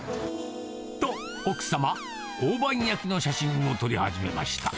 と、奥様、大判焼きの写真を撮り始めました。